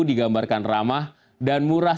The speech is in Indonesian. digambarkan ramah dan murah